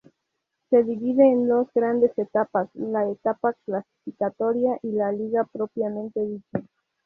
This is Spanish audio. Se divide en dos grandes etapas, la etapa clasificatoria, y la Liga propiamente dicha.